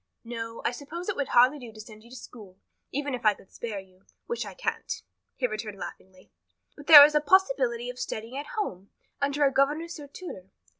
"No, I suppose it would hardly do to send you to school, even if I could spare you which I can't," he returned laughingly, "but there is a possibility of studying at home, under a governess or tutor.